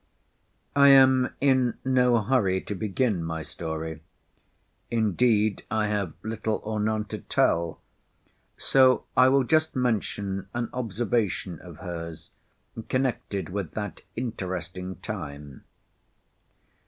I am in no hurry to begin my story—indeed I have little or none to tell—so I will just mention an observation of hers connected with that interesting time.